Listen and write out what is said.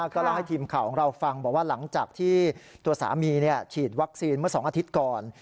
ก็เล่าให้ทีมข่าวของเราฟังบอกว่าหลังจากที่ตัวสามีฉีดวัคซีนเมื่อ๒อาทิตย์ก่อน